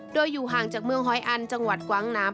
โดยอยู่ห่างจากเมืองหอยอันจังหวัดกวางน้ำ